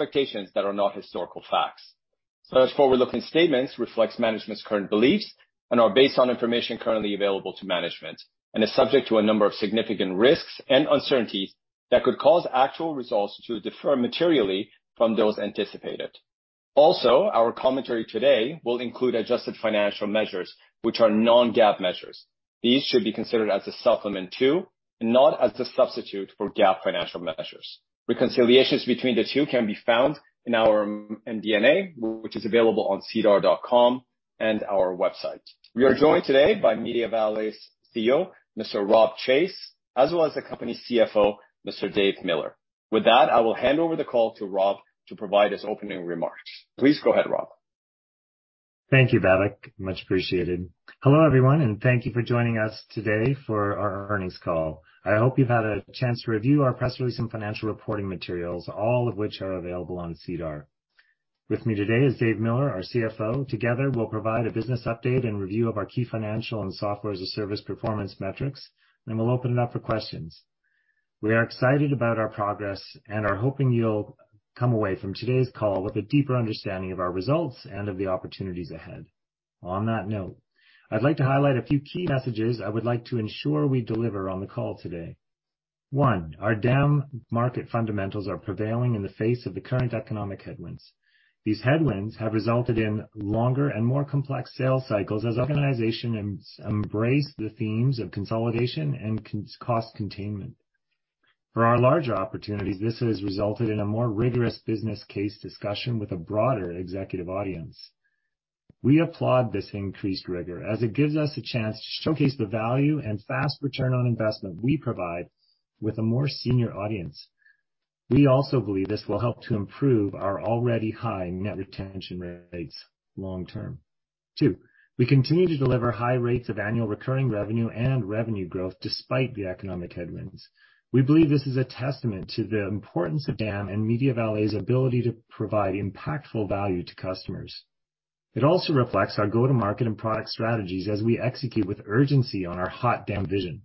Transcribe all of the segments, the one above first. Expectations that are not historical facts. Such forward-looking statements reflect management's current beliefs and are based on information currently available to management and are subject to a number of significant risks and uncertainties that could cause actual results to differ materially from those anticipated. Our commentary today will include adjusted financial measures, which are non-GAAP measures. These should be considered as a supplement to and not as a substitute for GAAP financial measures. Reconciliations between the two can be found in our MD&A, which is available on SEDAR.com and our website. We are joined today by MediaValet's CEO, Mr. Rob Chase, as well as the company CFO, Mr. Dave Miller. I will hand over the call to Rob to provide his opening remarks. Please go ahead, Rob. Thank you, Babak, much appreciated. Hello, everyone, thank you for joining us today for our earnings call. I hope you've had a chance to review our press release and financial reporting materials, all of which are available on SEDAR. With me today is Dave Miller, our CFO. Together, we'll provide a business update and review of our key financial and software as a service performance metrics, we'll open it up for questions. We are excited about our progress, are hoping you'll come away from today's call with a deeper understanding of our results and of the opportunities ahead. On that note, I'd like to highlight a few key messages I would like to ensure we deliver on the call today. One, our market fundamentals are prevailing in the face of the current economic headwinds. These headwinds have resulted in longer and more complex sales cycles as organizations embrace the themes of consolidation and cost containment. For our larger opportunities, this has resulted in a more rigorous business case discussion with a broader executive audience. We applaud this increased rigor as it gives us a chance to showcase the value and fast return on investment we provide with a more senior audience. We also believe this will help to improve our already high net retention rates long term. We continue to deliver high rates of annual recurring revenue and revenue growth despite the economic headwinds. We believe this is a testament to the importance of DAM and MediaValet's ability to provide impactful value to customers. It also reflects our go-to-market and product strategies as we execute with urgency on our HotDAM! vision.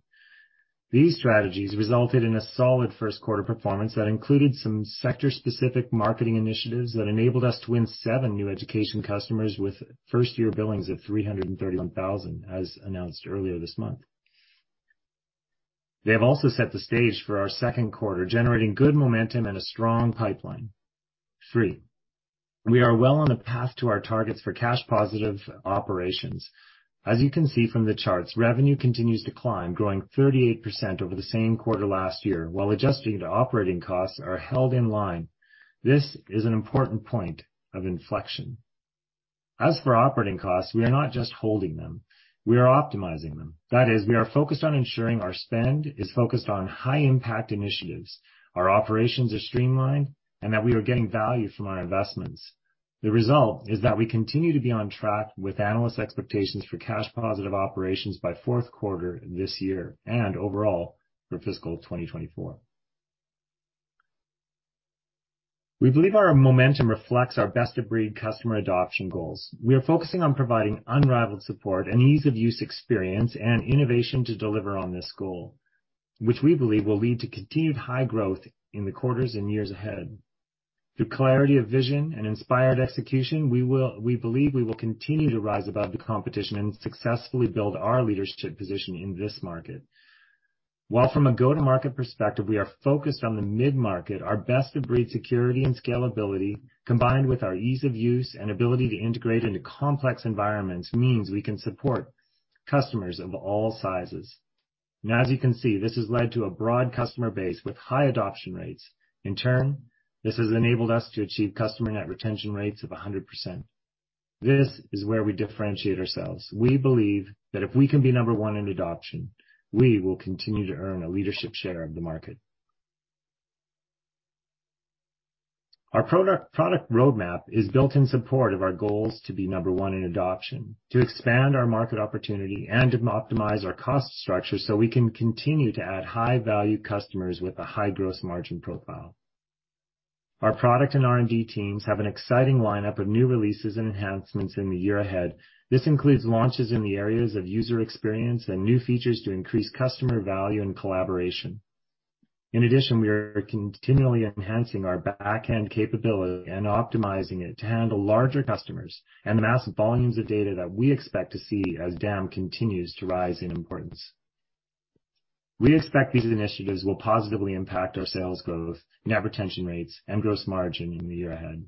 These strategies resulted in a solid first quarter performance that included some sector-specific marketing initiatives that enabled us to win seven new education customers with first-year billings of 331,000, as announced earlier this month. They have also set the stage for our second quarter, generating good momentum and a strong pipeline. Three, we are well on a path to our targets for cash positive operations. As you can see from the charts, revenue continues to climb, growing 38% over the same quarter last year, while adjusting to operating costs are held in line. This is an important point of inflection. As for operating costs, we are not just holding them, we are optimizing them. That is, we are focused on ensuring our spend is focused on high-impact initiatives, our operations are streamlined, and that we are getting value from our investments. The result is that we continue to be on track with analyst expectations for cash positive operations by fourth quarter this year and overall for fiscal 2024. We believe our momentum reflects our best-of-breed customer adoption goals. We are focusing on providing unrivaled support and ease of use experience and innovation to deliver on this goal, which we believe will lead to continued high growth in the quarters and years ahead. Through clarity of vision and inspired execution, we believe we will continue to rise above the competition and successfully build our leadership position in this market. While from a go-to-market perspective, we are focused on the mid-market, our best-of-breed security and scalability, combined with our ease of use and ability to integrate into complex environments, means we can support customers of all sizes. As you can see, this has led to a broad customer base with high adoption rates. In turn, this has enabled us to achieve customer net retention rates of 100%. This is where we differentiate ourselves. We believe that if we can be number one in adoption, we will continue to earn a leadership share of the market. Our product roadmap is built in support of our goals to be number one in adoption, to expand our market opportunity and optimize our cost structure so we can continue to add high-value customers with a high gross margin profile. Our product and R&D teams have an exciting lineup of new releases and enhancements in the year ahead. This includes launches in the areas of user experience and new features to increase customer value and collaboration. We are continually enhancing our back-end capability and optimizing it to handle larger customers and the massive volumes of data that we expect to see as DAM continues to rise in importance. We expect these initiatives will positively impact our sales growth, net retention rates, and gross margin in the year ahead.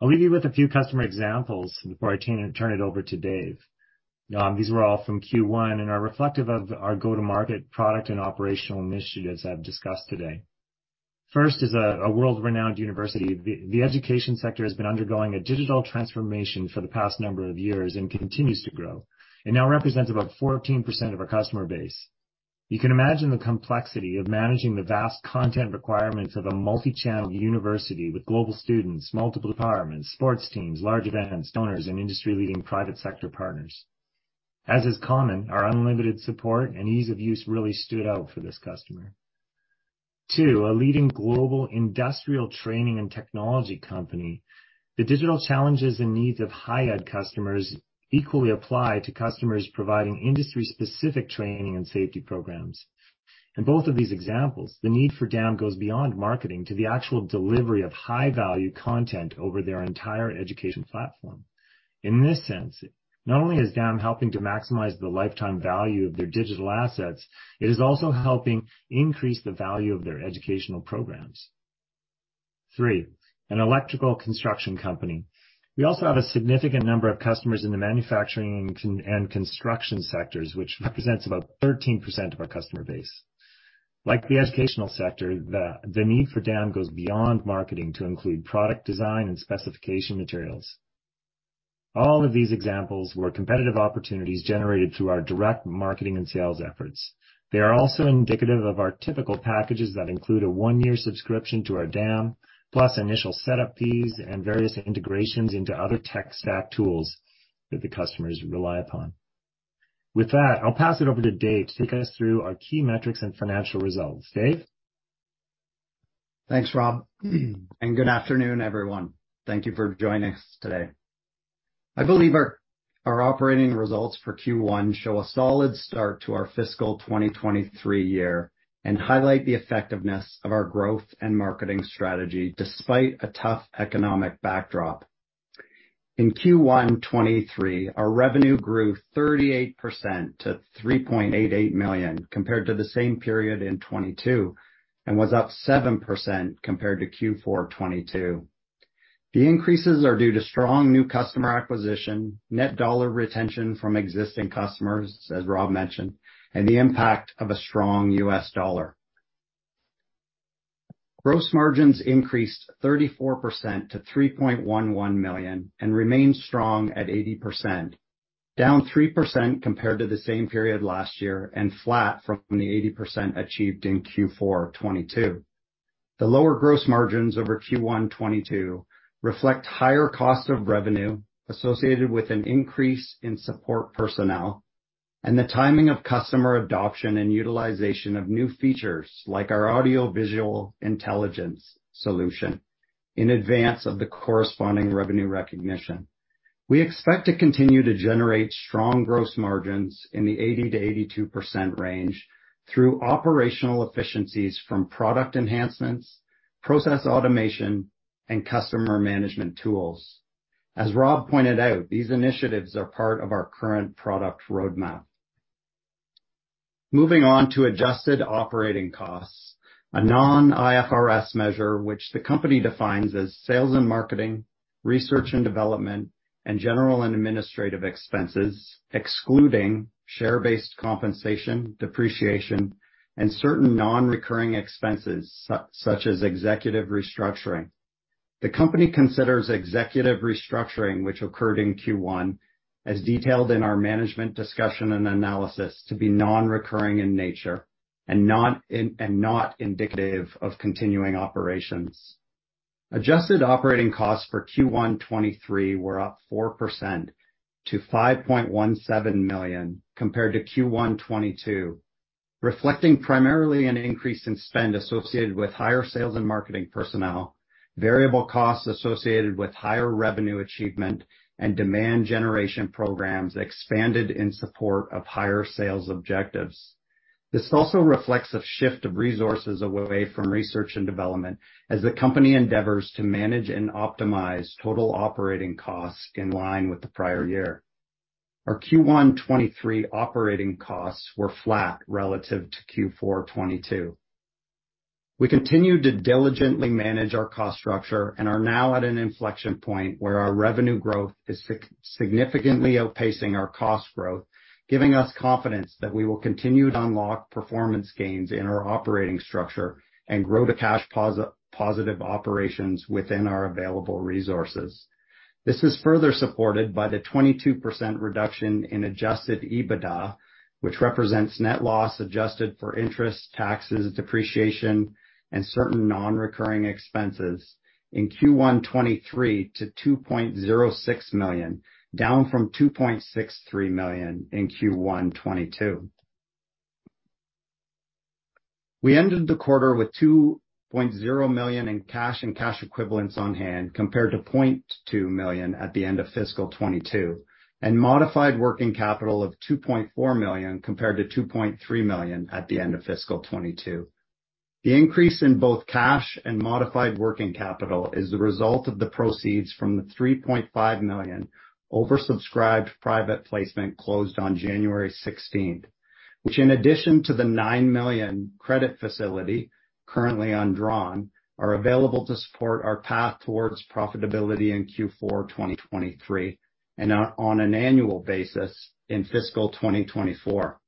I'll leave you with a few customer examples before I turn it over to Dave. These were all from Q1 and are reflective of our go-to-market product and operational initiatives I've discussed today. First is a world-renowned university. The education sector has been undergoing a digital transformation for the past number of years and continues to grow, and now represents about 14% of our customer base. You can imagine the complexity of managing the vast content requirements of a multi-channel university with global students, multiple departments, sports teams, large events, donors, and industry-leading private sector partners. As is common, our unlimited support and ease of use really stood out for this customer. Two, a leading global industrial training and technology company. The digital challenges and needs of higher ed customers equally apply to customers providing industry-specific training and safety programs. In both of these examples, the need for DAM goes beyond marketing to the actual delivery of high-value content over their entire education platform. In this sense, not only is DAM helping to maximize the lifetime value of their digital assets, it is also helping increase the value of their educational programs. Three, an electrical construction company. We also have a significant number of customers in the manufacturing and construction sectors, which represents about 13% of our customer base. Like the educational sector, the need for DAM goes beyond marketing to include product design and specification materials. All of these examples were competitive opportunities generated through our direct marketing and sales efforts. They are also indicative of our typical packages that include a 1-year subscription to our DAM, plus initial setup fees and various integrations into other tech stack tools that the customers rely upon. With that, I'll pass it over to Dave to take us through our key metrics and financial results. Dave? Thanks, Rob. Good afternoon, everyone. Thank you for joining us today. I believe our operating results for Q1 show a solid start to our fiscal 2023 year and highlight the effectiveness of our growth and marketing strategy despite a tough economic backdrop. In Q1 2023, our revenue grew 38% to 3.88 million compared to the same period in 2022, and was up 7% compared to Q4 2022. The increases are due to strong new customer acquisition, Net Dollar Retention from existing customers, as Rob mentioned, and the impact of a strong U.S. dollar. Gross margins increased 34% to 3.11 million and remained strong at 80%, down 3% compared to the same period last year and flat from the 80% achieved in Q4 2022. The lower gross margins over Q1 2022 reflect higher cost of revenue associated with an increase in support personnel and the timing of customer adoption and utilization of new features like our Audio/Visual Intelligence solution in advance of the corresponding revenue recognition. We expect to continue to generate strong gross margins in the 80%-82% range through operational efficiencies from product enhancements, process automation, and customer management tools. As Rob pointed out, these initiatives are part of our current product roadmap. Moving on to adjusted operating costs, a non-IFRS measure, which the company defines as sales and marketing, research and development, and general and administrative expenses, excluding share-based compensation, depreciation, and certain non-recurring expenses such as executive restructuring. The company considers executive restructuring, which occurred in Q1, as detailed in our management discussion and analysis to be non-recurring in nature and not and not indicative of continuing operations. Adjusted operating costs for Q1 2023 were up 4% to 5.17 million compared to Q1 2022, reflecting primarily an increase in spend associated with higher sales and marketing personnel, variable costs associated with higher revenue achievement, and demand generation programs expanded in support of higher sales objectives. This also reflects a shift of resources away from research and development as the company endeavors to manage and optimize total operating costs in line with the prior year. Our Q1 2023 operating costs were flat relative to Q4 2022. We continue to diligently manage our cost structure and are now at an inflection point where our revenue growth is significantly outpacing our cost growth, giving us confidence that we will continue to unlock performance gains in our operating structure and grow to cash positive operations within our available resources. This is further supported by the 22% reduction in adjusted EBITDA, which represents net loss adjusted for interest, taxes, depreciation, and certain non-recurring expenses in Q1 2023 to 2.06 million, down from 2.63 million in Q1 2022. We ended the quarter with 2.0 million in cash and cash equivalents on hand compared to 0.2 million at the end of fiscal 2022, and modified working capital of 2.4 million compared to 2.3 million at the end of fiscal 2022. The increase in both cash and modified working capital is the result of the proceeds from the 3.5 million oversubscribed private placement closed on January 16th, which in addition to the 9 million credit facility currently undrawn, are available to support our path towards profitability in Q4 2023 and on an annual basis in fiscal 2024.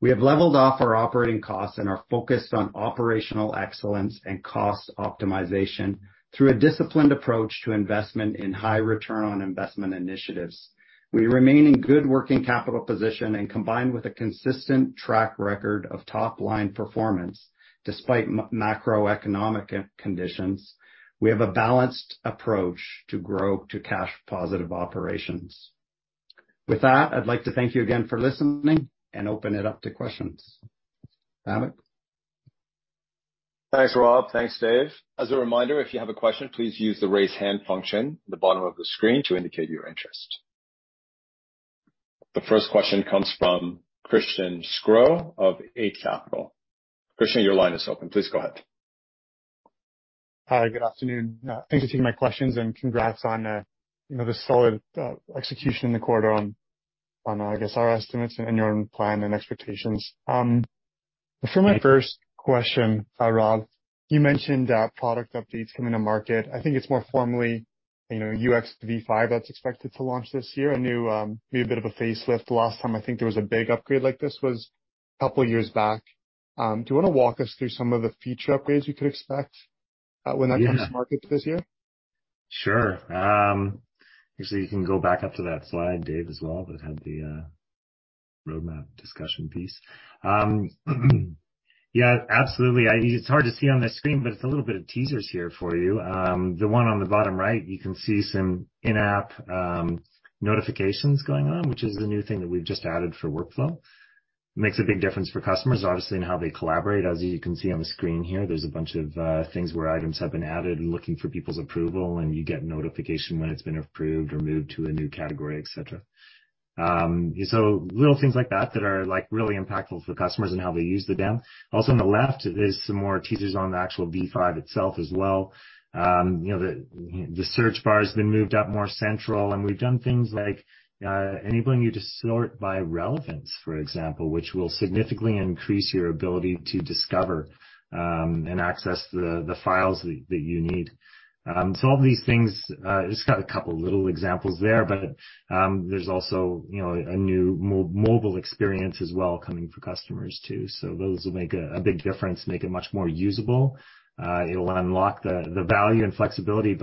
We have leveled off our operating costs and are focused on operational excellence and cost optimization through a disciplined approach to investment in high return on investment initiatives. We remain in good working capital position and combined with a consistent track record of top-line performance despite macroeconomic conditions, we have a balanced approach to grow to cash positive operations. With that, I'd like to thank you again for listening and open it up to questions. Alec? Thanks, Rob. Thanks, Dave. As a reminder, if you have a question, please use the Raise Hand function at the bottom of the screen to indicate your interest. The first question comes from Christian Sgro of Eight Capital. Christian, your line is open. Please go ahead. Hi, good afternoon. Thanks for taking my questions, congrats on, you know, the solid, execution in the quarter on I guess our estimates and your own plan and expectations. For my first question, Rob, you mentioned that product updates coming to market. I think it's more formally, you know, UX V5 that's expected to launch this year, a new bit of a facelift. Last time I think there was a big upgrade like this was couple years back. Do you wanna walk us through some of the feature upgrades we could expect, when that comes to market this year? Sure. Actually you can go back up to that slide, Dave, as well, that had the roadmap discussion piece. Yeah, absolutely. I think it's hard to see on the screen, but it's a little bit of teasers here for you. The one on the bottom right, you can see some in-app notifications going on, which is a new thing that we've just added for workflow. Makes a big difference for customers, obviously in how they collaborate. As you can see on the screen here, there's a bunch of things where items have been added and looking for people's approval, and you get notification when it's been approved or moved to a new category, et cetera. Little things like that that are like really impactful for customers and how they use the DAM. Also on the left, there's some more teasers on the actual V5 itself as well. You know, the search bar has been moved up more central, and we've done things like enabling you to sort by relevance, for example, which will significantly increase your ability to discover and access the files that you need. All these things, it's got a couple of little examples there's also, you know, a new mobile experience as well coming for customers too. Those will make a big difference, make it much more usable. It'll unlock the value and flexibility.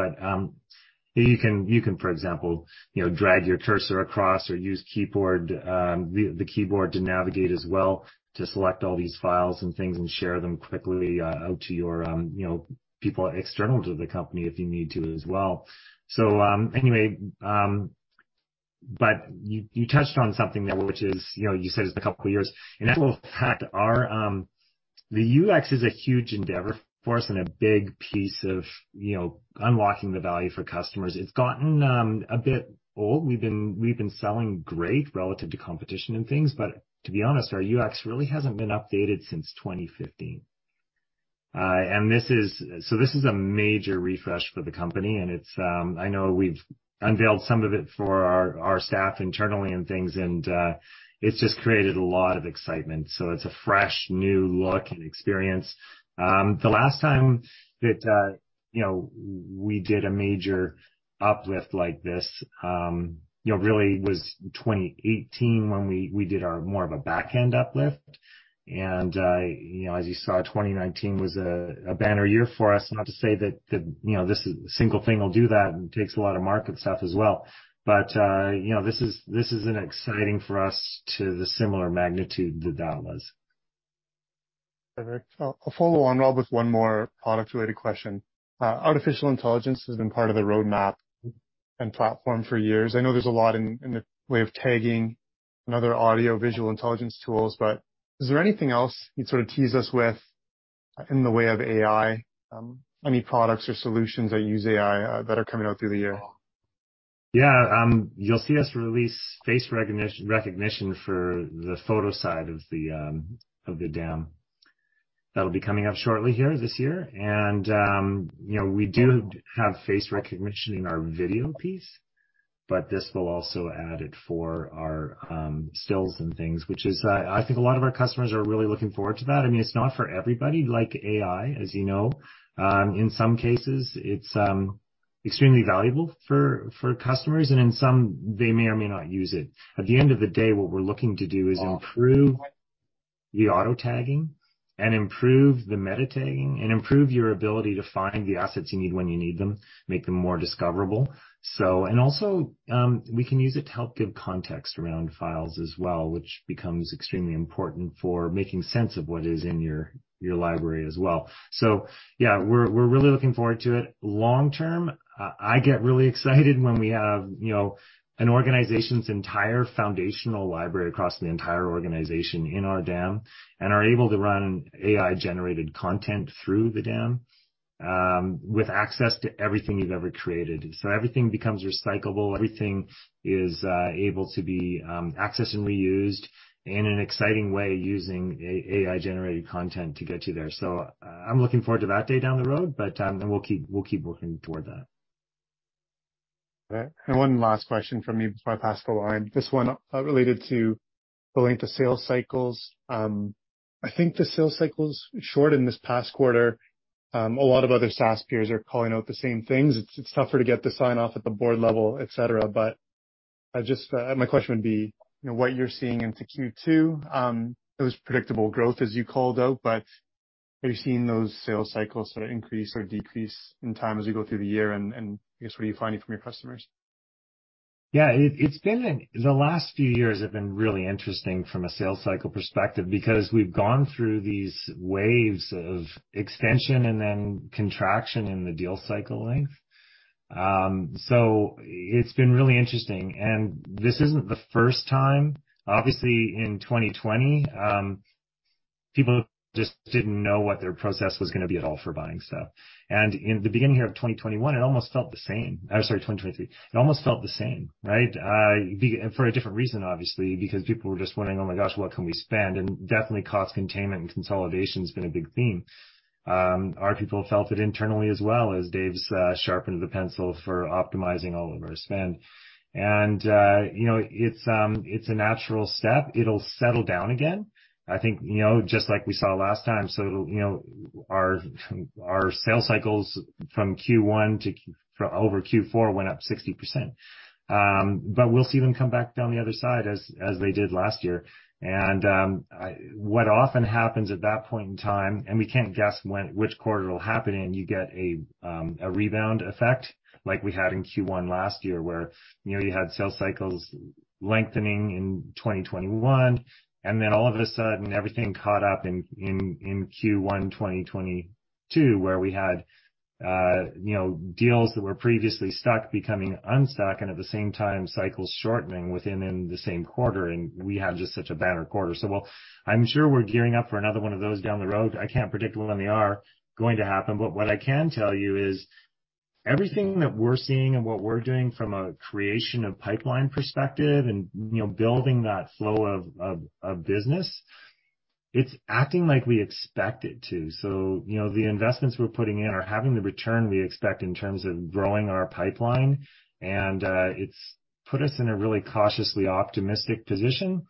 You can, for example, you know, drag your cursor across or use the keyboard to navigate as well, to select all these files and things and share them quickly out to your, you know, people external to the company if you need to as well. Anyway, you touched on something there, which is, you know, you said it's a couple of years. In actual fact, our the UX is a huge endeavor for us and a big piece of, you know, unlocking the value for customers. It's gotten a bit old. We've been selling great relative to competition and things, but to be honest, our UX really hasn't been updated since 2015. This is. This is a major refresh for the company, and it's, I know we've unveiled some of it for our staff internally and things and it's just created a lot of excitement. It's a fresh new look and experience. The last time that, you know, we did a major uplift like this, you know, really was 2018 when we did our more of a back-end uplift. You know, as you saw, 2019 was a banner year for us. Not to say that, you know, this single thing will do that and takes a lot of market stuff as well. You know, this is an exciting for us to the similar magnitude that that was. Perfect. I'll follow on, Rob, with one more product related question. Artificial intelligence has been part of the roadmap and platform for years. I know there's a lot in the way of tagging and other Audio/Visual Intelligence tools, but is there anything else you'd sort of tease us with in the way of AI, any products or solutions that use AI, that are coming out through the year? Yeah. You'll see us release face recognition for the photo side of the DAM. That'll be coming up shortly here this year. You know, we do have face recognition in our video piece, but this will also add it for our stills and things, which is I think a lot of our customers are really looking forward to that. I mean, it's not for everybody like AI, as you know. In some cases, it's extremely valuable for customers, in some they may or may not use it. At the end of the day, what we're looking to do is improve the auto-tagging and improve the meta tagging and improve your ability to find the assets you need when you need them, make them more discoverable. Also, we can use it to help give context around files as well, which becomes extremely important for making sense of what is in your library as well. Yeah, we're really looking forward to it. Long-term, I get really excited when we have, you know, an organization's entire foundational library across the entire organization in our DAM and are able to run AI-generated content through the DAM with access to everything you've ever created. Everything becomes recyclable, everything is able to be accessed and reused in an exciting way using a AI-generated content to get you there. I'm looking forward to that day down the road, but we'll keep working toward that. Okay. One last question from me before I pass the line. This one related to going to sales cycles. I think the sales cycles shortened this past quarter. A lot of other SaaS peers are calling out the same things. It's tougher to get the sign-off at the board level, et cetera. My question would be, you know, what you're seeing into Q2, it was predictable growth as you called out, but are you seeing those sales cycles sort of increase or decrease in time as you go through the year? I guess what are you finding from your customers? Yeah. The last few years have been really interesting from a sales cycle perspective because we've gone through these waves of extension and then contraction in the deal cycle length. It's been really interesting. This isn't the first time. Obviously, in 2020, people just didn't know what their process was gonna be at all for buying stuff. In the beginning of 2021, it almost felt the same. Or sorry, 2023. It almost felt the same, right? For a different reason, obviously, because people were just wondering, "Oh my gosh, what can we spend?" Definitely cost containment and consolidation has been a big theme. Our people felt it internally as well as Dave's sharpened the pencil for optimizing all of our spend. You know, it's a natural step. It'll settle down again, I think, you know, just like we saw last time. You know, our sales cycles from Q1 to from over Q4 went up 60%. We'll see them come back down the other side as they did last year. What often happens at that point in time, and we can't guess which quarter it'll happen in, you get a rebound effect like we had in Q1 last year, where, you know, you had sales cycles lengthening in 2021, all of a sudden, everything caught up in Q1, 2022, where we had, you know, deals that were previously stuck becoming unstuck and at the same time, cycles shortening within the same quarter. We had just such a banner quarter. While I'm sure we're gearing up for another one of those down the road, I can't predict when they are going to happen. What I can tell you is everything that we're seeing and what we're doing from a creation of pipeline perspective and, you know, building that flow of, of business, it's acting like we expect it to. You know, the investments we're putting in are having the return we expect in terms of growing our pipeline. It's put us in a really cautiously optimistic position,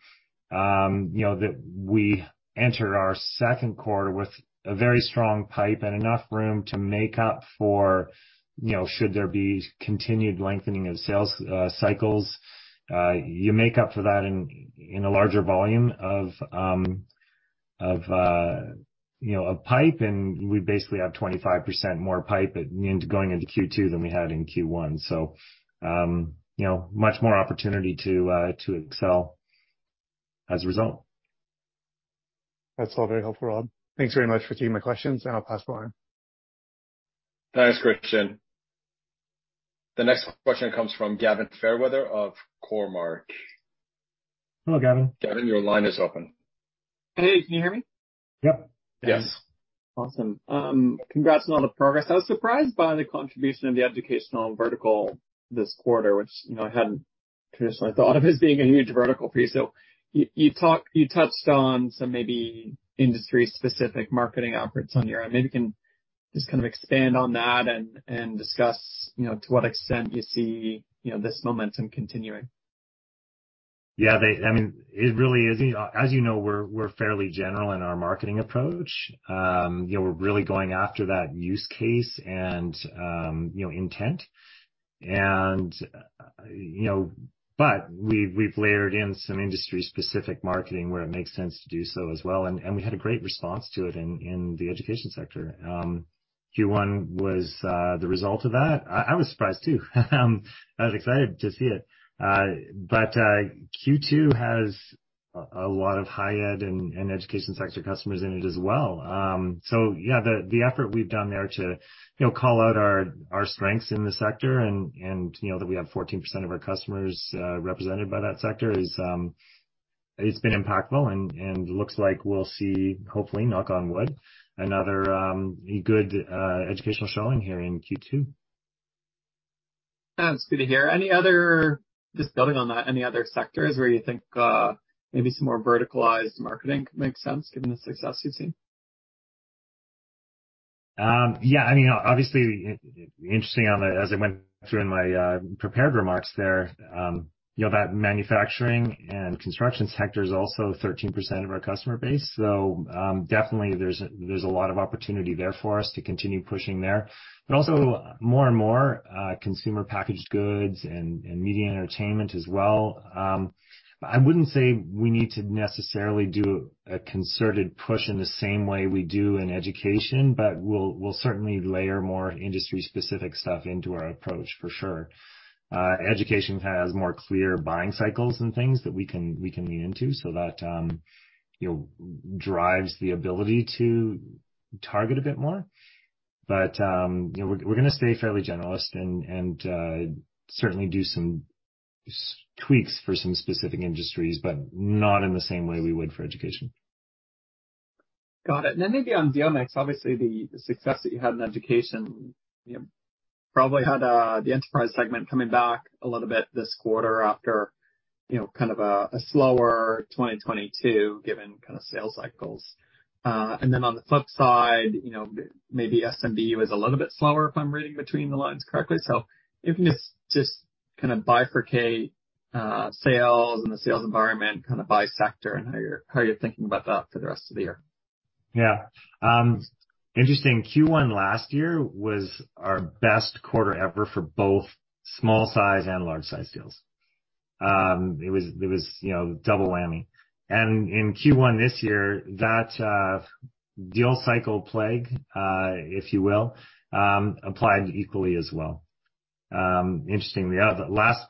you know, that we enter our second quarter with a very strong pipe and enough room to make up for, you know, should there be continued lengthening of sales cycles. You make up for that in a larger volume of, you know, of pipe. We basically have 25% more pipe going into Q2 than we had in Q1. You know, much more opportunity to excel as a result. That's all very helpful, Rob. Thanks very much for taking my questions, and I'll pass it on. Thanks, Christian. The next question comes from Gavin Fairweather of Cormark. Hello, Gavin. Gavin, your line is open. Hey, can you hear me? Yep. Yes. Awesome. Congrats on all the progress. I was surprised by the contribution of the educational vertical this quarter, which, you know, I hadn't traditionally thought of as being a huge vertical piece. You touched on some maybe industry-specific marketing efforts on your end. Maybe you can just kind of expand on that and discuss, you know, to what extent you see, you know, this momentum continuing. Yeah. I mean, it really is. You know, as you know, we're fairly general in our marketing approach. You know, we're really going after that use case and, you know, intent. You know, we've layered in some industry-specific marketing where it makes sense to do so as well. And we had a great response to it in the education sector. Q1 was the result of that. I was surprised too. I was excited to see it. Q2 has a lot of high ed and education sector customers in it as well. Yeah, the effort we've done there to, you know, call out our strengths in the sector and, you know, that we have 14% of our customers, represented by that sector is, it's been impactful and looks like we'll see, hopefully, knock on wood, another, good, educational showing here in Q2. That's good to hear. Any other... Just building on that, any other sectors where you think, maybe some more verticalized marketing makes sense given the success you've seen? Yeah, I mean, obviously interesting as I went through in my prepared remarks there, you know, that manufacturing and construction sector is also 13% of our customer base. Definitely there's a lot of opportunity there for us to continue pushing there. Also more and more Consumer Packaged Goods and media and entertainment as well. I wouldn't say we need to necessarily do a concerted push in the same way we do in education, we'll certainly layer more industry-specific stuff into our approach for sure. Education has more clear buying cycles and things that we can lean into so that, you know, drives the ability to target a bit more. You know, we're gonna stay fairly generalist and certainly do some tweaks for some specific industries, but not in the same way we would for education. Got it. Then maybe on deal mix, obviously the success that you had in education, you probably had, the enterprise segment coming back a little bit this quarter after, you know, kind of a slower 2022 given kind of sales cycles. Then on the flip side, you know, maybe SMB was a little bit slower, if I'm reading between the lines correctly. If you can just kind of bifurcate, sales and the sales environment kind of by sector, and how you're, how you're thinking about that for the rest of the year. Yeah. Interesting. Q1 last year was our best quarter ever for both small size and large size deals. It was, you know, double whammy. In Q1 this year, that deal cycle plague, if you will, applied equally as well. Interestingly, the last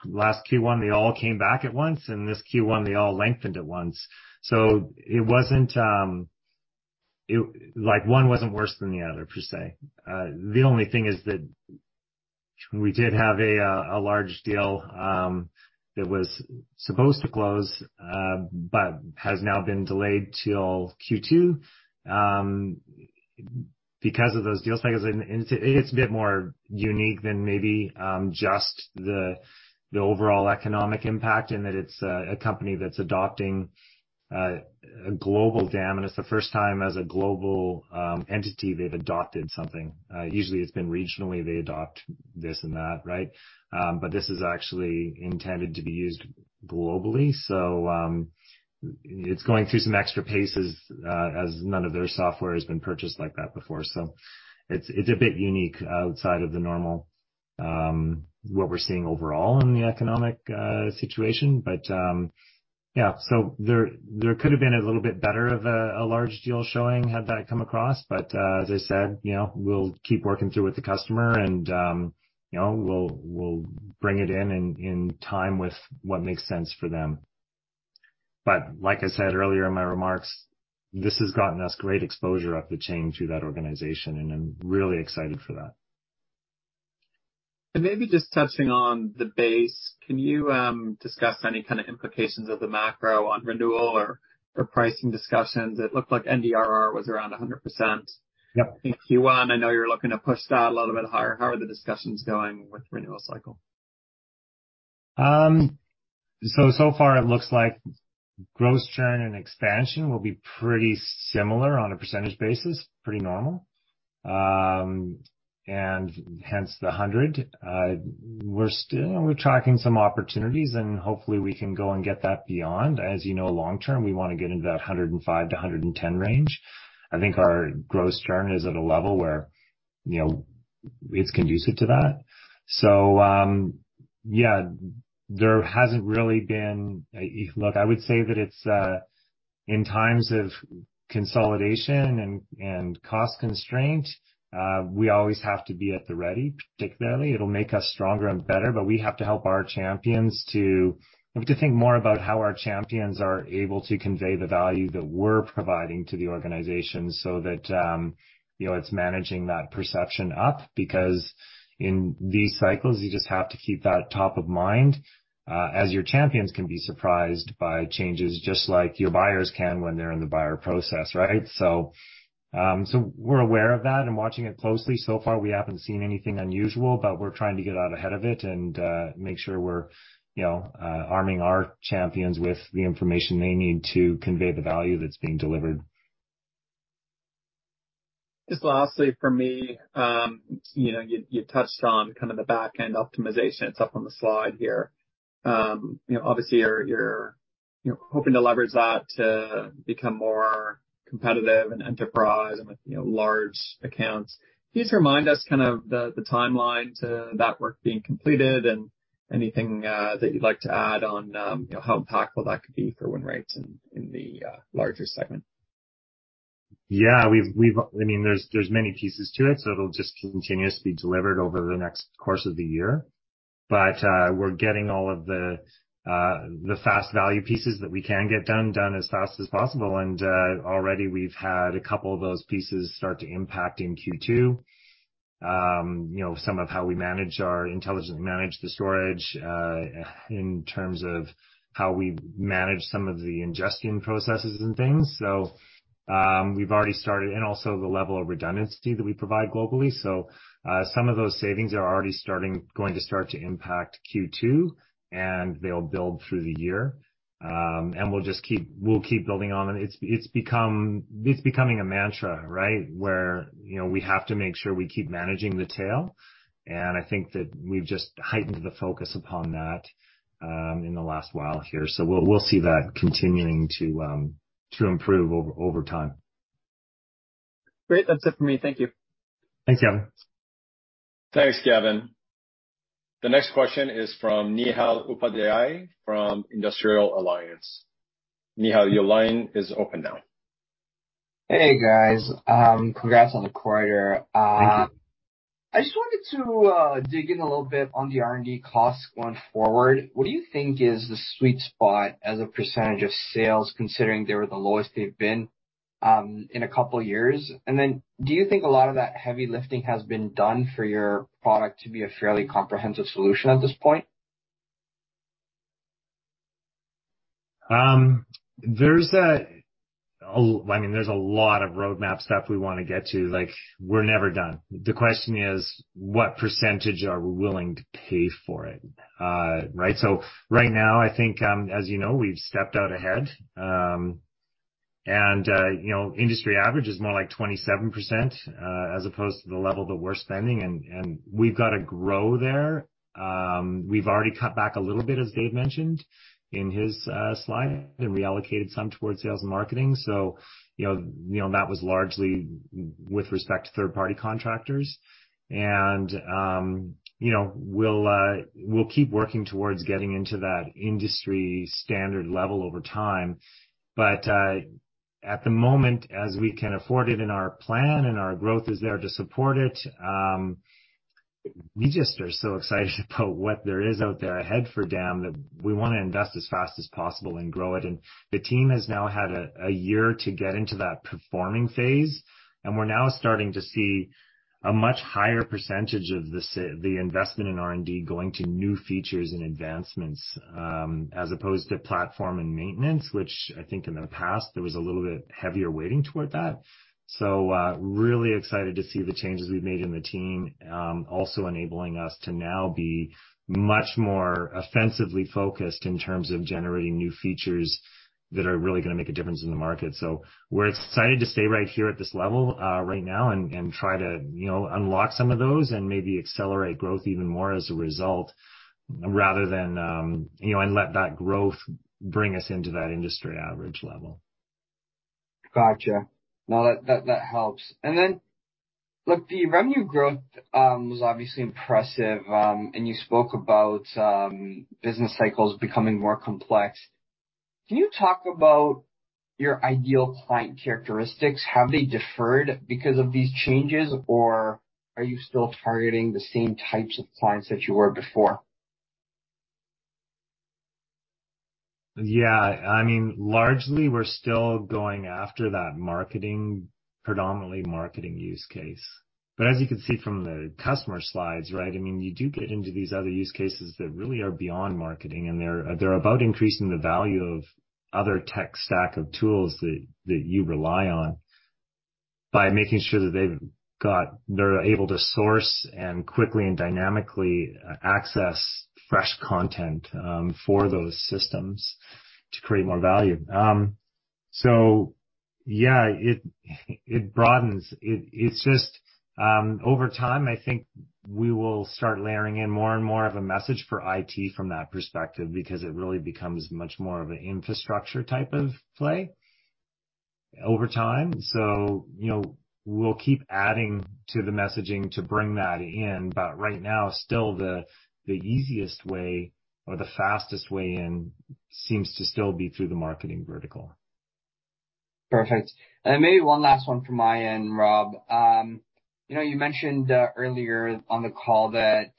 Q1, they all came back at once, and this Q1, they all lengthened at once. It wasn't, like, one wasn't worse than the other per se. The only thing is that we did have a large deal that was supposed to close, but has now been delayed till Q2 because of those deal cycles. It's a, it's a bit more unique than maybe just the overall economic impact in that it's a company that's adopting a global DAM, and it's the first time as a global entity they've adopted something. Usually it's been regionally they adopt this and that, right? This is actually intended to be used globally. It's going through some extra paces as none of their software has been purchased like that before. It's, it's a bit unique outside of the normal what we're seeing overall in the economic situation. Yeah, there could have been a little bit better of a large deal showing had that come across. As I said, you know, we'll keep working through with the customer and, you know, we'll bring it in time with what makes sense for them. Like I said earlier in my remarks, this has gotten us great exposure up the chain through that organization, and I'm really excited for that. Maybe just touching on the base, can you discuss any kind of implications of the macro on renewal or pricing discussions? It looked like NDRR was around 100%. Yep. In Q1, I know you're looking to push that a little bit higher. How are the discussions going with renewal cycle? So far it looks like gross churn and expansion will be pretty similar on a percentage basis, pretty normal. Hence the 100%. We're still, we're tracking some opportunities, hopefully we can go and get that beyond. As you know, long term, we wanna get into that 105%-110% range. I think our gross churn is at a level where, you know, it's conducive to that. Yeah. Look, I would say that it's in times of consolidation and cost constraints, we always have to be at the ready, particularly. It'll make us stronger and better, but we have to help our champions. We have to think more about how our champions are able to convey the value that we're providing to the organization so that, you know, it's managing that perception up. In these cycles, you just have to keep that top of mind as your champions can be surprised by changes just like your buyers can when they're in the buyer process, right? We're aware of that and watching it closely. So far, we haven't seen anything unusual, but we're trying to get out ahead of it and make sure we're, you know, arming our champions with the information they need to convey the value that's being delivered. Just lastly for me, you know, you touched on kind of the back-end optimization. It's up on the slide here. You know, obviously you're, you know, hoping to leverage that to become more competitive in enterprise and with, you know, large accounts. Can you just remind us kind of the timeline to that work being completed and anything that you'd like to add on, you know, how impactful that could be for win rates in the larger segment? Yeah. We've, I mean, there's many pieces to it, so it'll just continuously be delivered over the next course of the year. we're getting all of the fast value pieces that we can get done as fast as possible. already we've had a couple of those pieces start to impact in Q2, you know, some of how we intelligently manage the storage, in terms of how we manage some of the ingestion processes and things. We've already started. Also, the level of redundancy that we provide globally. some of those savings are already starting, going to start to impact Q2, and they'll build through the year. we'll keep building on. It's becoming a mantra, right? Where, you know, we have to make sure we keep managing the tail, and I think that we've just heightened the focus upon that, in the last while here. We'll see that continuing to improve over time. Great. That's it for me. Thank you. Thanks, Gavin. Thanks, Gavin. The next question is from Nihal Upadhyay from Industrial Alliance. Nihal, your line is open now. Hey, guys. congrats on the quarter. Thank you. I just wanted to dig in a little bit on the R&D costs going forward. What do you think is the sweet spot as a percentage of sales, considering they were the lowest they've been in a couple years? Do you think a lot of that heavy lifting has been done for your product to be a fairly comprehensive solution at this point? I mean, there's a lot of roadmap stuff we wanna get to. Like, we're never done. The question is, what percentage are we willing to pay for it, right? Right now, I think, as you know, we've stepped out ahead. And, you know, industry average is more like 27%, as opposed to the level that we're spending and we've got to grow there. We've already cut back a little bit, as Dave mentioned in his slide, and reallocated some towards sales and marketing. You know, that was largely with respect to third-party contractors. You know, we'll keep working towards getting into that industry standard level over time. At the moment, as we can afford it in our plan and our growth is there to support it, we just are so excited about what there is out there ahead for DAM that we want to invest as fast as possible and grow it. The team has now had a year to get into that performing phase, and we're now starting to see a much higher percentage of the investment in R&D going to new features and advancements, as opposed to platform and maintenance, which I think in the past there was a little bit heavier weighting toward that. Really excited to see the changes we've made in the team, also enabling us to now be much more offensively focused in terms of generating new features that are really gonna make a difference in the market. We're excited to stay right here at this level, right now and try to, you know, unlock some of those and maybe accelerate growth even more as a result rather than, you know, and let that growth bring us into that industry average level. Gotcha. No, that helps. Look, the revenue growth was obviously impressive. You spoke about business cycles becoming more complex. Can you talk about your ideal client characteristics? Have they deferred because of these changes, or are you still targeting the same types of clients that you were before? Yeah. I mean, largely we're still going after that marketing, predominantly marketing use case. As you can see from the customer slides, right? I mean, you do get into these other use cases that really are beyond marketing, and they're about increasing the value of other tech stack of tools that you rely on by making sure that they're able to source and quickly and dynamically access fresh content for those systems to create more value. Yeah, it broadens. It, it's just over time, I think we will start layering in more and more of a message for IT from that perspective because it really becomes much more of an infrastructure type of play over time. You know, we'll keep adding to the messaging to bring that in, but right now still the easiest way or the fastest way in seems to still be through the marketing vertical. Perfect. Maybe one last one from my end, Rob. You know, you mentioned earlier on the call that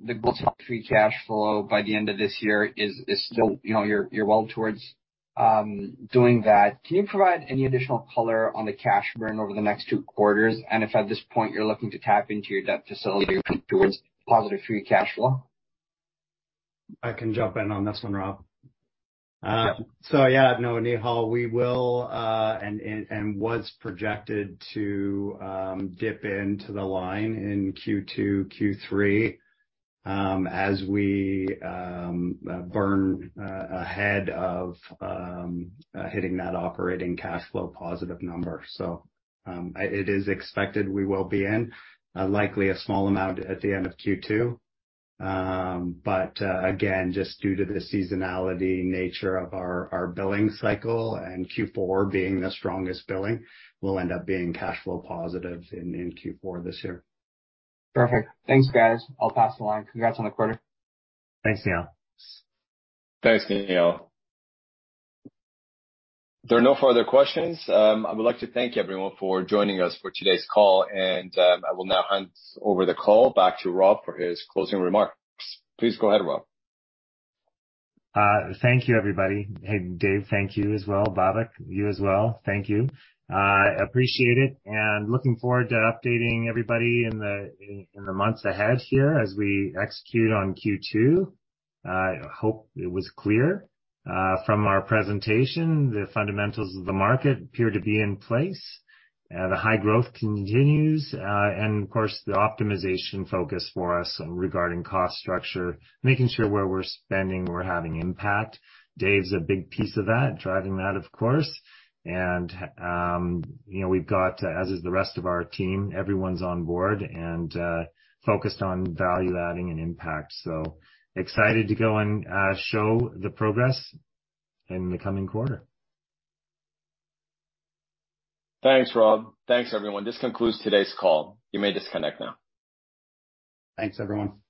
the goal to free cash flow by the end of this year is still, you know, you're well towards doing that. Can you provide any additional color on the cash burn over the next two quarters? If at this point you're looking to tap into your debt facility towards positive free cash flow? I can jump in on this one, Rob. Yeah. No, Nihal, we will, and was projected to, dip into the line in Q2, Q3, as we burn ahead of, hitting that operating cash flow positive number. It is expected we will be in, likely a small amount at the end of Q2. Again, just due to the seasonality nature of our billing cycle and Q4 being the strongest billing, we'll end up being cash flow positive in Q4 this year. Perfect. Thanks, guys. I'll pass the line. Congrats on the quarter. Thanks, Nihal. Thanks, Nihal. There are no further questions. I would like to thank everyone for joining us for today's call, and, I will now hand over the call back to Rob for his closing remarks. Please go ahead, Rob. Thank you, everybody. Dave, thank you as well. Babak, you as well. Thank you. Appreciate it, and looking forward to updating everybody in the months ahead here as we execute on Q2. I hope it was clear from our presentation, the fundamentals of the market appear to be in place. The high growth continues. Of course, the optimization focus for us regarding cost structure, making sure where we're spending, we're having impact. Dave's a big piece of that, driving that, of course. You know, we've got, as is the rest of our team, everyone's on board and focused on value-adding and impact. Excited to go and show the progress in the coming quarter. Thanks, Rob. Thanks, everyone. This concludes today's call. You may disconnect now. Thanks, everyone.